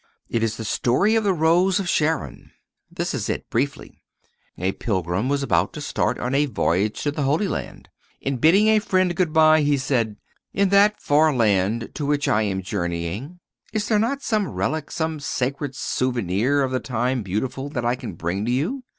"It is the story of the Rose of Sharon. This is it briefly: A pilgrim was about to start on a voyage to the Holy Land. In bidding a friend good by, he said: 'In that far land to which I am journeying, is there not some relic, some sacred souvenir of the time beautiful, that I can bring to you?